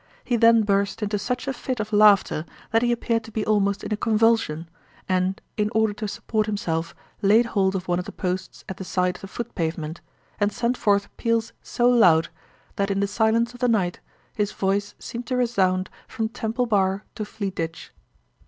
He then burst into such a fit of laughter, that he appeared to be almost in a convulsion; and, in order to support himself, laid hold of one of the posts at the side of the foot pavement, and sent forth peals so loud, that in the silence of the night his voice seemed to resound from Temple bar to Fleet ditch.